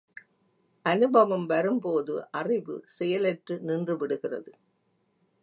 அநுபவம் வரும்போது அறிவு செயலற்று நின்றுவிடுகிறது.